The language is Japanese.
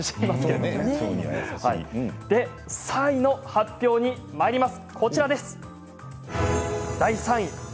３位の発表にまいります。